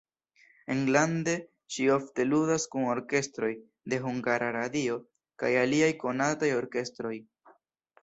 Enlande ŝi ofte ludas kun orkestroj de Hungara Radio kaj aliaj konataj orkestroj.